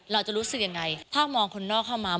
เราจะรู้สึกยังไงถ้ามองคนนอกเข้ามา